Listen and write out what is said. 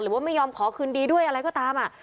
หรือว่าไม่ยอมขอคืนดีด้วยอะไรก็ตาม